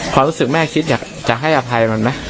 ไม่ค่ะไม่ให้อภัย